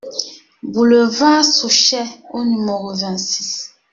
Boulevard Souchet au numéro vingt-six